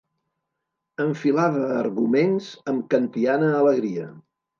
Enfilava arguments amb kantiana alegria.